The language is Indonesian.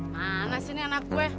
mana sih ini anak gue